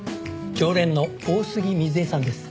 常連の大杉瑞枝さんです。